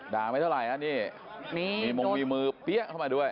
ด่าไม่เท่าไหร่น่ะนี่มีมือเปี้ยะเข้ามาด้วย